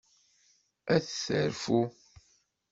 Ad terfu.